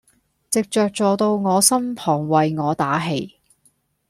藉著坐到我身旁為我打氣